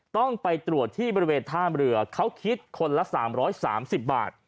ต้องไปตรวจที่บริเวณท่ามเรือเขาคิดคนละ๓๓๐บาท